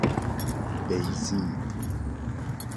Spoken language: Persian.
بیضی